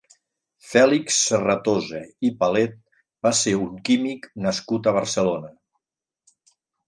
Fèlix Serratosa i Palet va ser un químic nascut a Barcelona.